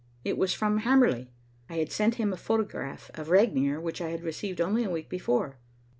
It was from Hamerly. I had sent him a photograph of Regnier, which I had received only a week before.